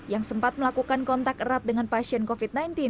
yang sempat melakukan kontak erat dengan pasien covid sembilan belas